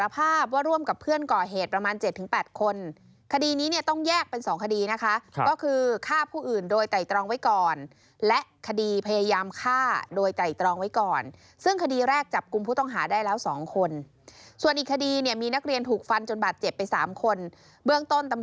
พวกรมพยานหลักฐานขออนุมัติหมายจับต่อไปนะคะ